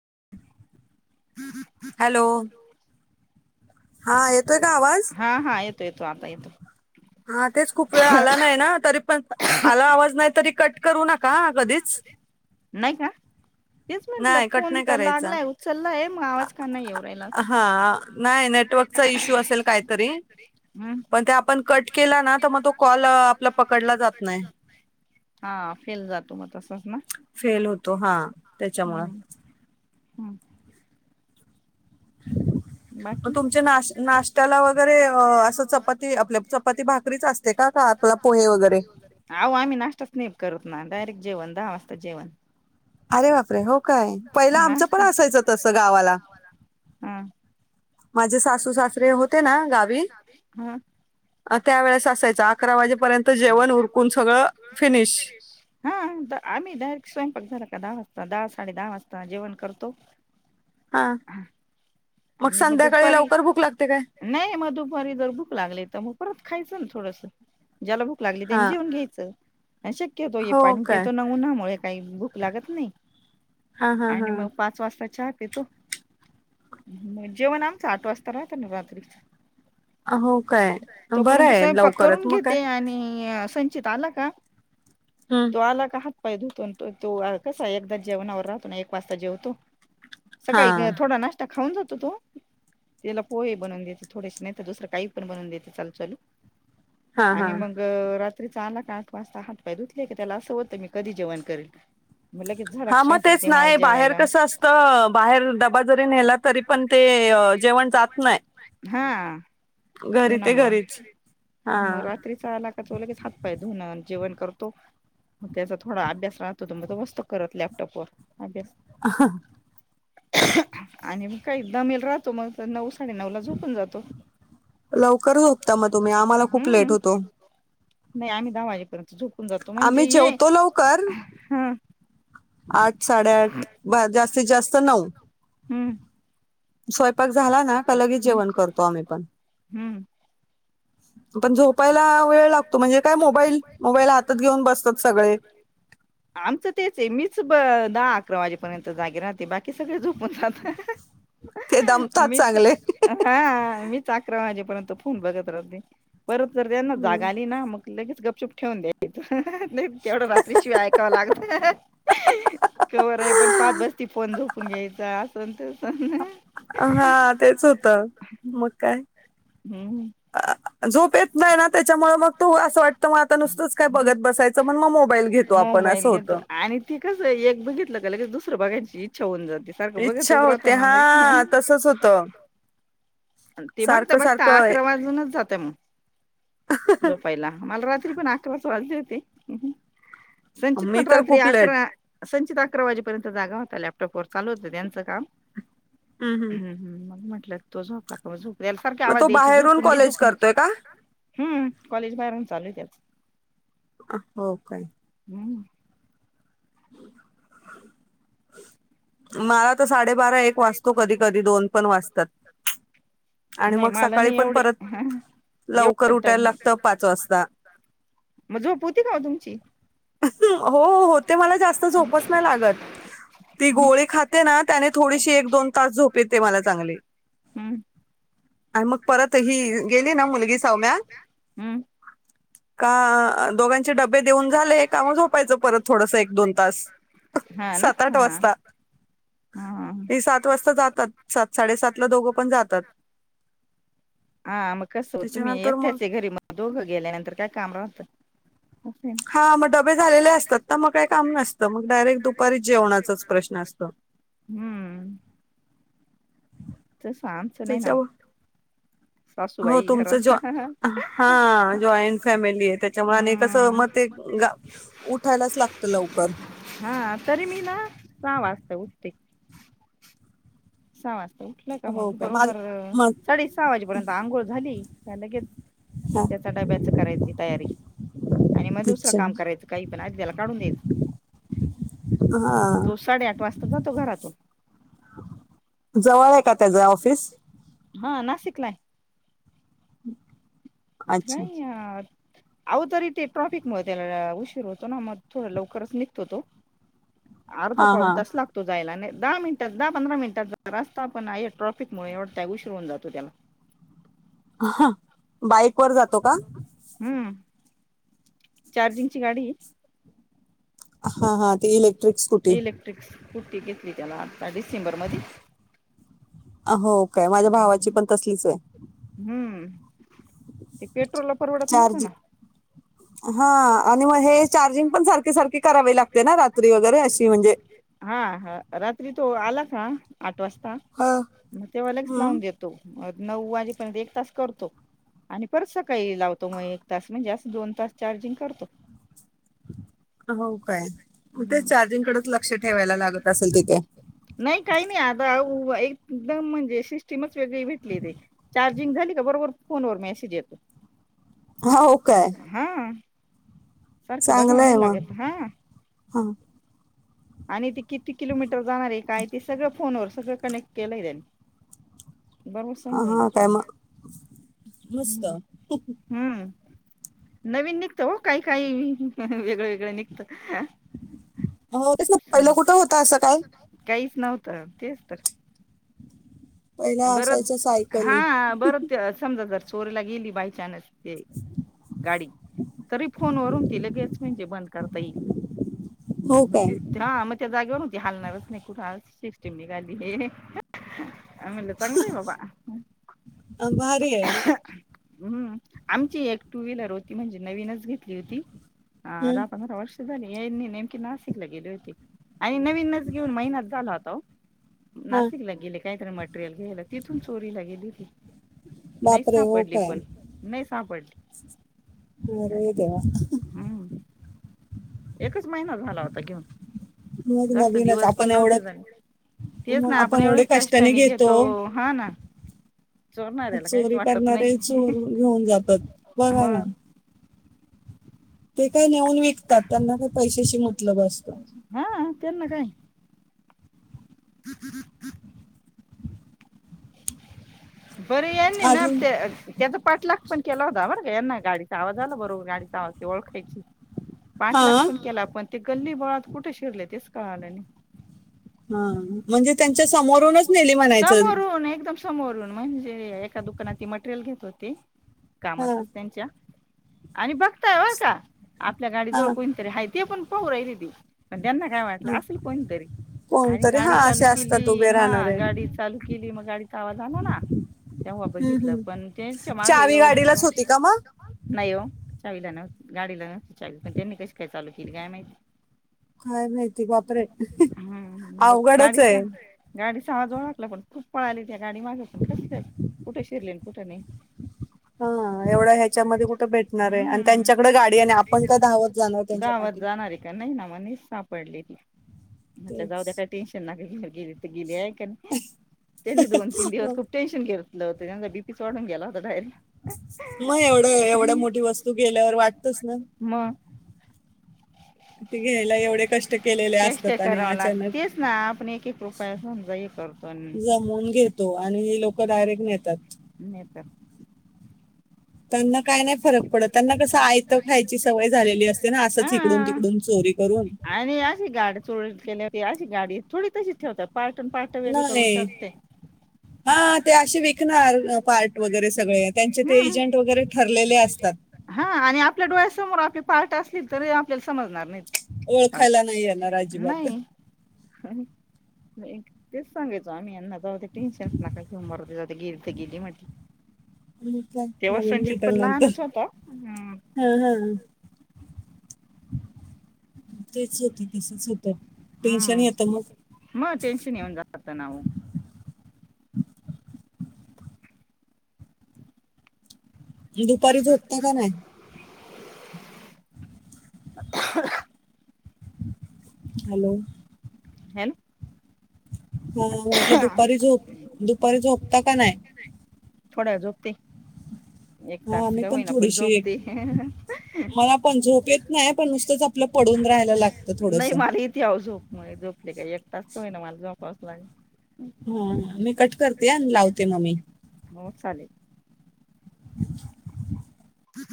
[inaudible] Hello [unintelligible] हा हा येतोय का आवाज? हा हा येतो येतो आता येतो हा तेच खूप वेळ आला नाही ना तरी पण आला आवाज नाही तरी कट करू नका हा कधीच [inaudible] नाही का तेच म्हंटलं नाही कट फोन नाही तर करायचा लागलाय उचललाय मग आवाज का नाही येऊ राहिला असं हा नाही नेटवर्कचा इश्यू असेल काहीतरी हम् पण आपण कट केला ना तर मग तो कॉल आपला पकडला जात नाही हा फेल जातो मग तसच ना [unintelligible] फेल होतो हा त्याच्यामुळं, हम्म [inaudible] मग बाकी तुमच्या नाश्याला नाश्ता वगैरे असं चपाती आपल्या चपाती भाकरीच असते का? का आपला पोहे वगैरे आहो आम्ही नाश्ता स्नेप करत ना डायरेक्ट जेवण दहा वाजता जेवण, अरे वापरे हो काय पहिलं आमचं पण नाश्ता असायचं तस गावाला, हा माझे सासू सासरे होते ना गावी अ, त्यावेळेस त्या वेळेस असायचं असायच अकरा वाजेपर्यंत उरकून जेवण सगळं फिनिश. फिनश, आम्ही डायरेक्ट स्यंपाक झाला का दहा वाजता दहा साडे दहा वाजता जेवण करतो. हा आणि मग दुपारी नाही मग दुपारी जर भूक लागली तर मग परर, खायचं ना थोडस ज्याला भूक लागली. त्यानी हां. जेवन घ्यायचं. शक्यतो हे हो पाणी काय? पेतो न उनामुळे काही भूक लागत नाही. हां, हां, आणि हां. मग पाच वाजताच्या, तो जेवण आमचं आठ वाजता राहत ना रात्रीच, हो काय? बरं तोपर्यंत आहे स्वयंपाक लवकरच करून मग काय? घेते, आणि संचित आला का, हं. तो आला हात पाय धुतो, तु त तू कसा एकदा जेवणावर राहतो ना एक वाजता जेवतो, सकाळी हां. थोडा नाष्ट, खाऊ जातो तो त्यािला पोहे बनून देतो थोडेस नाही तर दुसरं काही पण बनून देत, चालू चालू हां, आणि हां. मग, तरी चांगला का आठ वाजता हात पाय धुतले की त्याला असं वाटतं मी कधी जेण करल, हा मग तेच नाही बाहेर कस असत बाहेर डबा जरी नेला तरी पण ते, जेवण जात नाही. हा घरी ते ऊणामुळं घरीच. मग हां. रात्रीचा आला का चलगेच हात पाय धुन जेवण, करतो तो मग त्याचा थोडा अभ्यास राहतो मग मस्त करत लॅपटॉप व अभ्यास, ह आणि मग काही दमल राहतो, मग नऊ साडेनऊ ला झोपून जातो. लवकर झोपता मग तुम्ही आम्हाला खूप लेट हम्म होतो. नाही आम्ही दहा वाजेपर्यंत झोकून जातो. म्हणजे आम्ही ये जेवतो ह, आठ साडेआठ जास्तीत जास्त नऊ, हम्म स्वयंपाक झाला ना की लगच हम्म जेवण करतो आम्ही पण, हम्म पण झोपायला वेळ लागतो, म्हणजे काय मोबाईल मोबाईल हातात घेऊन बसतात सगळे. आमचं तेच आहे मीच, दहा अकरा वाजेपर्यंत जागे राहते बाकी सगळे झोपून जह, ते दमतात मीच चांगले हा मीच अकरा वाजेपर्यंत फोन बघत राहदी, परत तर त्यांना जागाली ना मग लगेच गपचूप ठेवून द्याच नाही तर, तेवढं रात्री शिवाय ऐकावं लागत खर आहे, पण पाच बजती फोन झोप, आपण घ्यायच असन तस हा तेच होत मग काय, हम्म झोप येत नाही ना त्याच्यामुळे मग तू असं वाटतं मग आता नुसतंच काय बघत बसायचं मग मग मोबाईल घेतो आपण असं बाईल घेतो होतं आणि, ती कसं एक बघितलं की दुसं बघायची इच्छा होऊन जात. इच्छा होते हा तसच होत, ते बघता बघता अकरा वाजूनच जातं मग झोपायला मला, पण अकरा वाजले होते संचित मी पण तर रात्री खूप लेट अकरा, संचित अकरा वाजेपर्यंत जागा होता लॅपटॉपवर चालू होत. त्यांचं काम, हम मग हम मग म्हटलंय तो झोपला का झोप, त्यालसारखी आवाज तो द्यायची बाहेरून झोपून घे कॉलेज झोपून घ, करतोय का हम्म कॉलेज बाहेरून चालू त्याच, हो काय हम्म [inaudible] मला तर साडेबारा एक वाचतो कधी कधी दोन पण वाचतात नाही मला नाही एवढे लवकर एवढ टाईम उठायला नाई लागतं पाच वाजता मग झोप होती काव तुमची हो, हो मला जास्त झोपच नाही लागत ती गोळी खाते ना त्याने थोडीशी एक दोन तास झोप येत ते मला चांगली हम्म आणि मग परत ह गेली ना मुलगी सौम्या हम्म का दोघांचे डबे देऊन झाले काम झोपायचं परत थोडसं एक दोन तास हा ना हा हा ते सात वाजता जातात सात साडेसात ला दोघं पण जातात हा मग कसं तुम्ही त्याच्यानंतर मग एकट्याचे घरी मग दोघं गेल्यानंतर काय काम राहत आहे ना हा मग डबे झालेले असतात ना मग काय काम नसतं मग डायरेक्ट दुपारी जेवणाचाच प्रश्न असतो हम्म तर समचं नाही नाव ह हो तुमच हा जॉईंट फॅमिली आहे त्याच्यामुळे आणि कसं हम्म म ते ग उठायलाच लागत लवकर हा तरी मी ना सहा वाचत उठते सहा वाजता उठलं का हो मग माझ बरोबर मग साडे सहा वाजेपर्यंत आंघोळ झाली लगेच हा त्याचा डब्याच करायची तयारी आणि मग दुसरं अच्छा काम करायचं काही पण आ त्याला काढून द्यायच हा तो साडेआठ वाजता जातो घरातून जवळ आहे का त्याच ऑफिस हा नाशिकलाय का अच्छा अहो तरी ते ट्रॉफिक म त्याला उशीर होतो ना मग थोडा लवकरच निघतो तो अर्ध हा पावन हा तस लागतो जायला न दहा मिनिटात दहा पंधरा मिनिटात रस्ता पण आहे ट्रॅफिक मु एवढय उशरवून जातो त्याला ह बाईक वर जातो का हम्म चार्जिंगची गाडी हा, हा ते इलेक्ट्रिक स्कूटी स्कूटी घेतली त्याला आता डिसेंबरमध्ये अ हो काय माझ्या भावाची पण तसलीच आहे हम्म ते पेट्रोल ला परवडत नव्हतं चार्ज ना हा हे चार्जिंग पण सारखे, सारखे करावे लागते ना रात्री वगैरे अशी म्हणजे हा हा रात्री तो आला का आठ वाजता ह मग ते्हालगच लावून हम्म देतो नऊ् वाजेपर्यंत एक तास करतो आणि परत सकाळी लावतो मग एक तास म्हणजे अस दोन तास चार्जिंग करतो हो काय मग ते हम्म चार्जिंग कडेच लक्ष ठेवायला लागत असेल तिथे नाही काही नाही आता एकदम म्हणजे सिस्टमच वेगळी भेटली ते चार्जिंग झाली का बरोबर फोनवर मेसेज येतो हा हो काय हा सारखं बघव चांगलं आहे नाही मग लागत हा हा आणि ते किती किलोमीटर जाणार आहे काय ते सगळं फोनवर सगळ कनेक्ट केला आहे त्यांनी बरोबर समजून हा जात काय म मग मस्त हम् हम्म नवीन निघत हो काही, काही वेगळं, वेगळं निघतं हो त्यास पहिलं कुठं होत असं काय काहीच नव्हतं तेचतर पहिला बर असायचं सायकली हा बर समजा जर चोरीला गेली बाय चानस ते गाडी तरी फोन वरून ती लगेच म्हणजे बंद करता येईल. हो म काय ते हा म ते जागेवरून ते हालणारच नाही कुठ अशी सिस्टीम निघालीये अ ह ह. आम्हीला चांगलंय बाबा अ अं, भारी आहे ह ह. हम्म आमची एक टू व्हीलर होती म्हणजे नवीनच घेतली होती. हा हं, दहा पंधरा वर्ष झाली. यांनी नेमकीे नाशिकला गेले होते आणि नवीनच घेऊन महिनाच झाला होता ओ. हा नाशिकला गेले कायतरी मटेरियल घ्यायला तिथून चोरीला गेली होती. नाहीच बापरे हो सापडली काय पण नाही सापडली. अरे गाडी देवा अ ह हम्म एकच महिना झाला होता घेऊन. मग जास्त नवीनच दिवस पण आपण एवढं नव्हते झाले तेच मग ना आपण एवढे एवढ्या कष्टाने घेतो हा ना चोरणाऱ्याला काहीच चोरी वाटत करणारे नाही चोर घेऊन जातात बघा ना. मग ते काय नेऊन विकतात त्यांना काय पैशाशी मतलब असत. हा त्यांना काय? [inaudible] बर यांनी ना अजून ते त्याचा पाठलाग पण केला होता बर यांना गाडीचा आवाज आला बरोबर गाडीचा आवाज ते ओळखायची हा पाठलाग पण केला पण ते गल्ली बोळात कुठे शिरले तेच कळाल नाही. हा म्हणजे त्यांच्या समोरूनच नेली म्हणायचं. हो ना एकदम समोरून म्हणजे एका दुकानात ते मटेरियल घेत होते हा कामातच त्यांच्या आणि बघ का बर का आपल्या गाडीजवळ हा कोणीतरी हाय ते पण पाहू राहिले होते. पण त्यांना काय वाटलं असेल कोणीतरी आणि कोणतरी हा गाडी असे चालू असतात केली उभे राहणार हा आहे गाडी चालू केली म गाडीचा आवाज आला ना तेव्हा हम्म बघितलं पण हम्म तेच्या मागे चावी येऊन गाडीलाच होती का मग नाही ओ. चावीला नव्ह गाडीला नव्हती चावी पण त्यांनी कशी काय चालू केली काय माहिती? काय माहिती? अ हं बापरे हम्म मग अवघडच आहे. गाडीचा गाडीचा आवाज ओळखला पण खूप पळाले त्या गाडीमागे पण कशी कुठे शिरले अण कुठे नाही. [inaudible] हा एवढं ह्याच्यामध्ये कुठं भेटणारयं आणि हम्म त्यांच्याकडे गाडी आहे आणि आपण का धावत जाणार गावात त्यांच्यापाठी. जाणार का नाही ना मनिष साप पडलेली म्हटलं जाऊ द्या तेच काय टेन्शन नका घेऊ गेली तर गेली आहे का नाही. त्यांनी दोन तीन दिवस खूप टेनशन घेतलं होत त्याचा बी पीच वाढून गेला होता डायरेक्ट. मग एवढं एवढ्या मोठी वस्तू गेल्यावर वाटतच ना. मग [inaudible] घ्यायला एवढे कष्ट केलेले कष्ट असतात आणि करावं अचानक लागत तेच ना आपण एक एक रुपया समजा हे करतो आणि जमवून घेतो आणि लोक डायरेक्ट नेतात. नेतात. त्यांना काय नाय फरक पडत त्यांना कसं आयत खायची सवय झालेली असते ना असंच इकडून हा तिकडून चोरी करून. आणि अशी गाडी चोरी केल्यावर ते अशी गाडी थोडी तशीच ठेवतात. पाार्टन पाार्ट वेगळे करून नाही टाकते. हा ते असे विकणार पार्ट वगैरे सगळे त्यांचे ते हम्म एजंट वगैरे ठरलेले असतात. हा आणि आपल्या डोळ्यासमोर आपले पार्ट असतील तरी आपल्याला समजणार नाहीत. पार्ट ओळखायला नाही येणार अजिबात अ ह ह. तेच सांगायचो आम्ही यांना जाऊ ते टेंशनच नका कि मरुदे जाऊ दे गेली तर गेली म्हटलंय मग काय नवीन भेटलं नंतर होता हम्म हा हा. तेच होतं कि सतत होतं टेंशन येतं मग टेंशन येऊन जातात त्यान ओ. दुपारी झोपता का नाही? आहा आहा हॅलो! हॅन हो म्हटलं दुपारी झोप दुपारी झोपता का नाही? थोड्यावेळ झोपते. एक हो तास मी का पण होईना थोडीशी झोपते नाही मला पण झोप येत नाही पण नुसतंच आपलं पडून राहायला लागतं थोडस नाही मला इथे याव झोप मग झोपले काय एक तास का होई ना मला जोपावं लागे हो मी कट करते. आणि लावते मग मी हो चालेल.